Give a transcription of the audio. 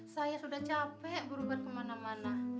saya sudah capek berubah kemana mana